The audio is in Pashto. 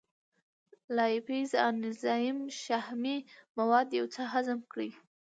لایپیز انزایم شحمي مواد یو څه هضم کړي.